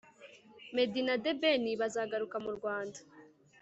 meddy na the ben bazagaruka mu rwanda